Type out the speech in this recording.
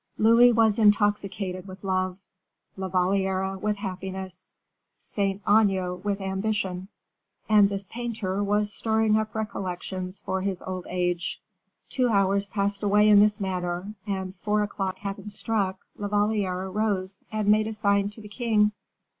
Louis was intoxicated with love, La Valliere with happiness, Saint Aignan with ambition, and the painter was storing up recollections for his old age. Two hours passed away in this manner, and four o'clock having struck, La Valliere rose, and made a sign to the king.